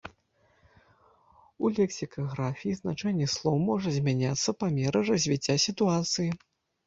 У лексікаграфіі значэнне слоў можа змяняцца па меры развіцця сітуацыі.